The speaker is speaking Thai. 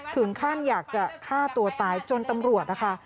ถึงขั้นอยากจะฆ่าตัวตายจนตำรวจนะคะ